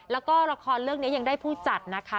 แล้วก็ละครเรื่องนี้ยังได้ผู้จัดนะคะ